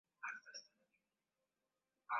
vyakula vyenye sukari nyingi vinaweza kudhuru neva